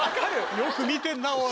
よく見てんなおい。